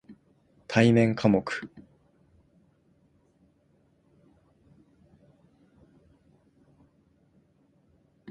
対面科目